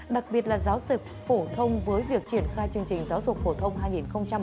đặc biệt là giáo dục phổ thông với việc triển khai chương trình giáo dục phổ thông hai nghìn một mươi tám